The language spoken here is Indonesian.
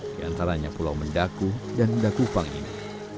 di antaranya pulau mendaku dan dakupang ini